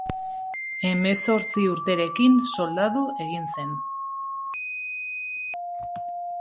Hemezortzi urterekin soldadu egin zen.